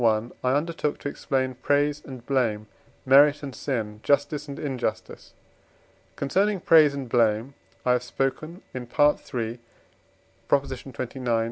I undertook to explain praise and blame, merit and sin, justice and injustice. Concerning praise and blame I have spoken in III. xxix.